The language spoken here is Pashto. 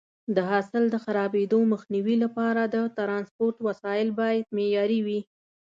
د حاصل د خرابېدو مخنیوي لپاره د ټرانسپورټ وسایط باید معیاري وي.